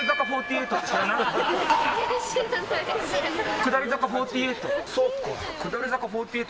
下り坂４８